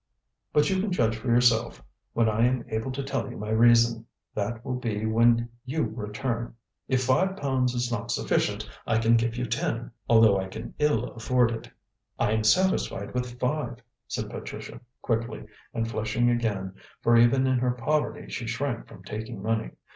But you can judge for yourself when I am able to tell you my reason. That will be when you return. If five pounds is not sufficient, I can give you ten, although I can ill afford it." "I am satisfied with five," said Patricia quickly, and flushing again, for even in her poverty she shrank from taking money.